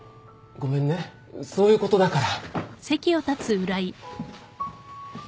ごめんねそういうことだから。